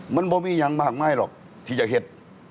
มันบ่มีอย่างมากมายหรอกที่จะเห็น